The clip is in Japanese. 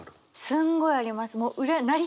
すんごいあります。